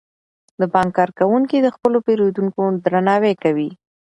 د بانک کارکوونکي د خپلو پیرودونکو درناوی کوي.